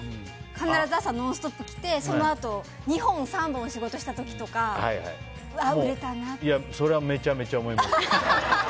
必ず、朝「ノンストップ！」来てそのあと、２本、３本仕事した時とかそれは、めちゃめちゃ思います。